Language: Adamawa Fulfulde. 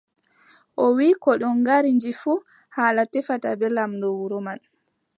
O wii, kooɗo ngaari ndi fuu, haala tefata bee laamɗo wuro man.